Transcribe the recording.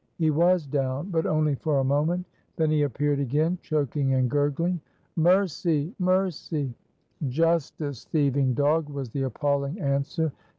He was down, but only for a moment; then he appeared again choking and gurgling. "Mercy! mercy!" "Justice, thieving dog!" was the appalling answer.